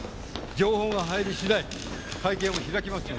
情報が入り次第会見を開きますので。